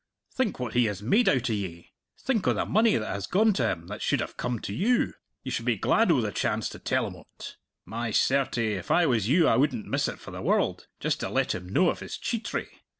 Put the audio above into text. Think what he has made out o' ye! Think o' the money that has gone to him that should have come to you! You should be glad o' the chance to tell him o't. My certy, if I was you I wouldn't miss it for the world just to let him know of his cheatry!